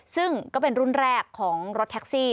ซึ่งก็เป็นรุ่นแรกของรถแท็กซี่